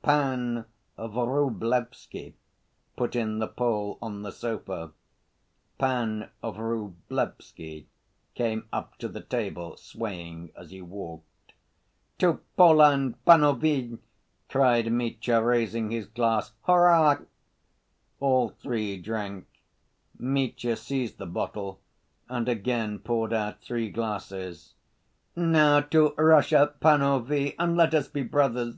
"Pan Vrublevsky," put in the Pole on the sofa. Pan Vrublevsky came up to the table, swaying as he walked. "To Poland, panovie!" cried Mitya, raising his glass. "Hurrah!" All three drank. Mitya seized the bottle and again poured out three glasses. "Now to Russia, panovie, and let us be brothers!"